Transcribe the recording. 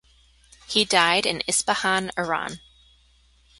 He died in Ispahan, Iran.